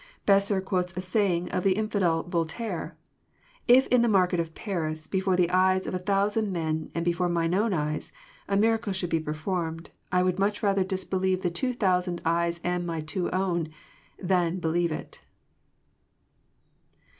Besser quotes a saying of the infidel Voltaire :<* If in the market of Paris, before the eyes of a thousand men and before my own eyes, a miracle should be performed, I would much rather disbelieve the two thousand eyes and my own two, than believe it!